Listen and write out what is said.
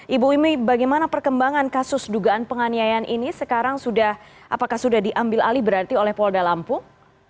ibu imi bagaimana perkembangan kasus dugaan penganiayaan ini sekarang apakah sudah diambil alih berarti oleh polda lampung